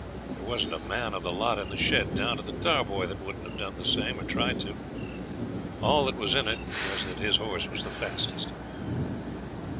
There wasn't a man of the lot in the shed, down to the tarboy, that wouldn't have done the same, or tried to. All that was in it was that his horse was the fastest.